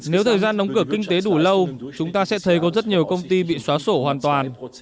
nếu thời gian đóng cửa kinh tế đủ lâu chúng ta sẽ thấy có rất nhiều công ty bị xóa sổ hoàn toàn